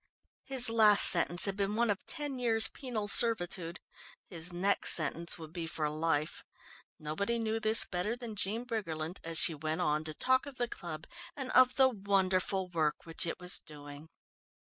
His last sentence had been one of ten years' penal servitude. His next sentence would be for life. Nobody knew this better than Jean Briggerland as she went on to talk of the club and of the wonderful work which it was doing.